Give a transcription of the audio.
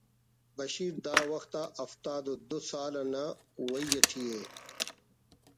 بشیر داوخت آ ہفتاد و دو سال نا وئی اٹی ءِ